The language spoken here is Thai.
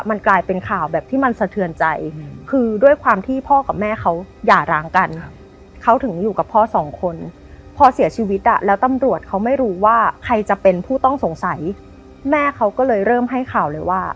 แม่เขาก็เลยเริ่มให้ข่าวเลยว่า